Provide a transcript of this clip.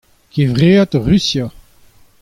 Kevread Rusia.